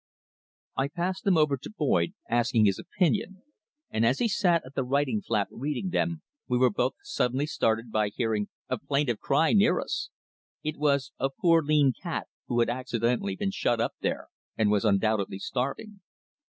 I passed them over to Boyd, asking his opinion, and as he sat at the writing flap reading them we were both suddenly startled by hearing a plaintive cry near us. It was a poor lean cat, who had accidentally been shut up there and was undoubtedly starving.